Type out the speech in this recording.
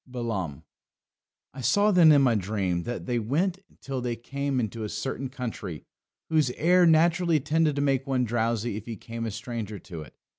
Balaam. "I saw then in my dream that they went till they came into a certain country whose air naturally tended to make one drowsy if he came a stranger to it.